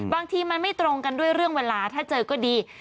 บางทีมันไม่ตรงกันด้วยเรื่องเวลาถ้าเจอก็ดี